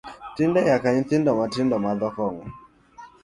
Tinde nyaka nyithindo mathindo madho kong’o